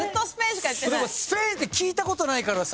でもスフェーンって聞いたことないからさ。